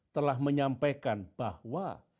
telah menyampaikan bahwa